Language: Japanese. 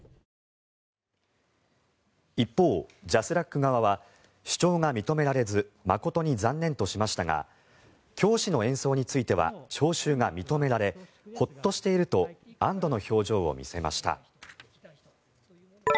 一方、ＪＡＳＲＡＣ側は主張が認められず誠に残念としましたが教師の演奏については徴収が認められほっとしていると安どの表情を見せました。